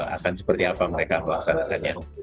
akan seperti apa mereka melaksanakannya